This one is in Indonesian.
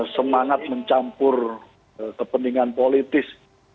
semangat mencampur kepentingan politis